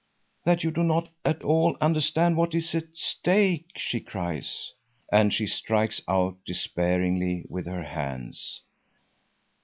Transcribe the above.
"That you do not at all understand what is at stake!" she cries. And she strikes out despairingly with her hands.